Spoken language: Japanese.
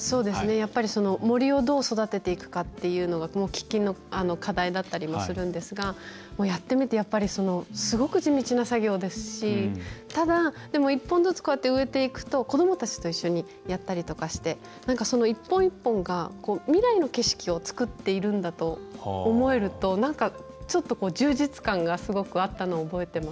やっぱり、森をどう育てていくかっていうのが喫緊の課題だったりもするんですがやってみて、やっぱりすごく地道な作業ですしただ、１本ずつこうやって植えていくと子どもたちと一緒にやったりとかしてその一本一本が、未来の景色をつくっているんだと思えるとなんかちょっと、充実感がすごくあったのを覚えてますね。